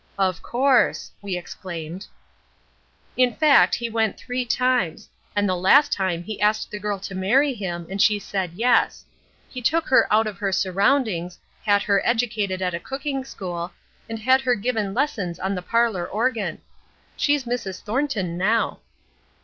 "Of course," we exclaimed. "In fact he went three times; and the last time he asked the girl to marry him and she said 'yes.' He took her out of her surroundings, had her educated at a cooking school, and had her given lessons on the parlour organ. She's Mrs. Thornton now."